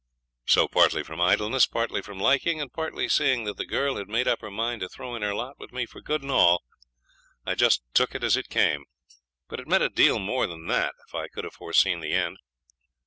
So, partly from idleness, partly from liking, and partly seeing that the girl had made up her mind to throw in her lot with me for good and all, I just took it as it came; but it meant a deal more than that, if I could have foreseen the end.